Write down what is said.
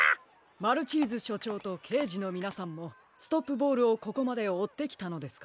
マルチーズしょちょうとけいじのみなさんもストップボールをここまでおってきたのですか？